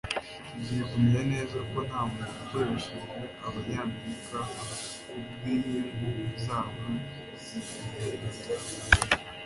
Tugiye kumenya neza ko ntamuntu ukoresha Abanyamerika kubwinyungu zabo zigihe gito